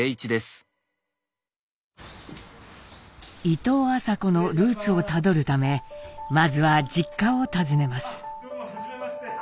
「伊藤麻子」のルーツをたどるためまずは実家を訪ねます。